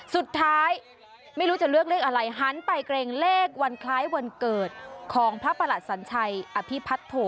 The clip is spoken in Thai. สุดท้ายไม่รู้จะเลือกเลขอะไรหันไปเกรงเลขวันคล้ายวันเกิดของพระประหลัดสัญชัยอภิพัฒโธ